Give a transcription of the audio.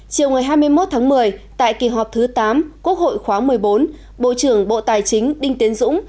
chiều ngày hai mươi một tháng một mươi tại kỳ họp thứ tám quốc hội khóa một mươi bốn bộ trưởng bộ tài chính đinh tiến dũng